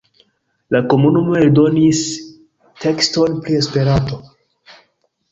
La komunumo eldonis tekston pri Esperanto.